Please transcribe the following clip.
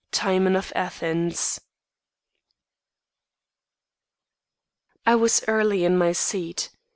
Timon of Athens. I was early in my seat.